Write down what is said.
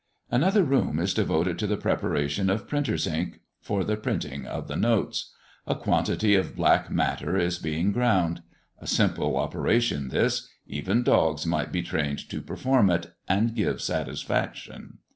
Another room is devoted to the preparation of printer's ink, for the printing of the notes. A quantity of black matter is being ground. A simple operation this; even dogs might be trained to perform it, and give satisfaction.